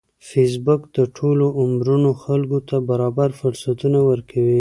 فېسبوک د ټولو عمرونو خلکو ته برابر فرصتونه ورکوي